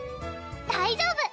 大丈夫！